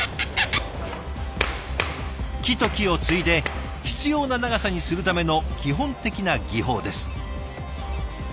木と木を継いで必要な長さにするための基本的な技法です。